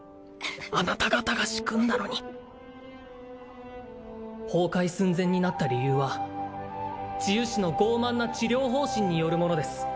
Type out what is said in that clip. あなた方が仕組んだのに崩壊寸前になった理由は治癒士の傲慢な治療方針によるものです